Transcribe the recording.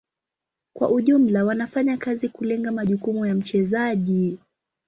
Kwa ujumla wanafanya kazi kulenga majukumu ya mchezaji.